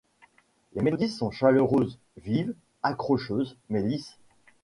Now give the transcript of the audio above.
Les mélodies sont chaleureuses, vives, accrocheuses mais lisses.